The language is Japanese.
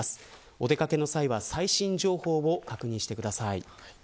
お出掛けの際は最新情報を確認してください。